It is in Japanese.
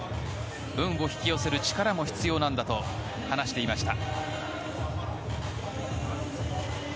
運を引き寄せる力も必要なんだと話していました。